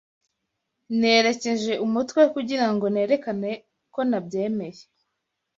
Nerekeje umutwe kugira ngo nerekane ko nabyemeye.